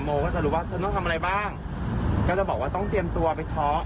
ก็จะรู้ว่าฉันต้องทำอะไรบ้างก็จะบอกว่าต้องเตรียมตัวไปท้อง